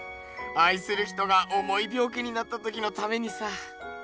あいする人がおもいびょう気になったときのためにさ。